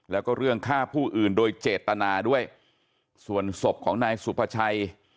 แล้วก็เรื่องฆ่าผู้อื่นโดยเจตนาด้วยส่วนศพของนายสุภาชัย